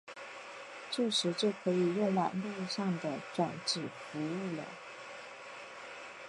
这时就可以用网路上的转址服务了。